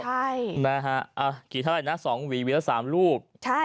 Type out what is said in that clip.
ใช่นะฮะอ่ากี่เท่าไรนะสองหวีหวีละสามลูกใช่